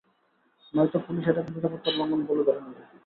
নয়তো পুলিশ এটাকে নিরাপত্তার লঙ্ঘন বলে ধরে নেবে।